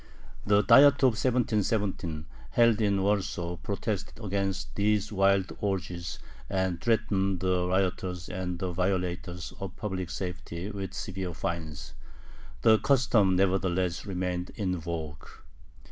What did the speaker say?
The Diet of 1717 held in Warsaw protested against these wild orgies, and threatened the rioters and the violators of public safety with severe fines. The "custom" nevertheless remained in vogue.